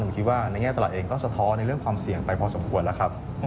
ผมคิดว่าในแง่ตลาดเองก็สะท้อนในเรื่องความเสี่ยงไปพอสมควรแล้วครับ